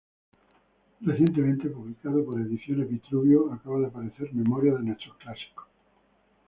Recientemente, publicado por Ediciones Vitruvio, acaba de aparecer "Memoria de nuestros clásicos".